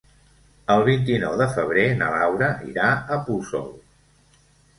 El vint-i-nou de febrer na Laura irà a Puçol.